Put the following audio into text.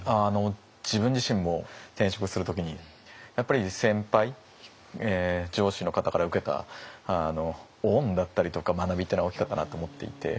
自分自身も転職する時にやっぱり先輩上司の方から受けた恩だったりとか学びっていうのは大きかったなと思っていて。